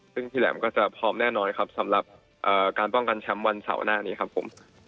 ซึ่งพี่แหลมก็จะพร้อมแน่นอนครับสำหรับการป้องกันแชมป์วันเสาร์หน้านี้ครับผม